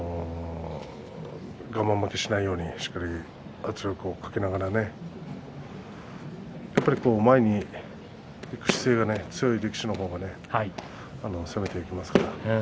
我慢負けしないようにしっかりと圧力をかけながらやっぱり前にいく姿勢が強い力士の方が攻めていきますから。